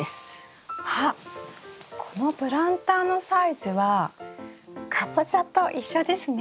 あっこのプランターのサイズはカボチャと一緒ですね。